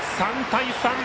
３対３！